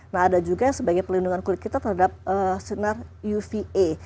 nah ada juga yang sebagai perlindungan kulit kita terhadap sinar uva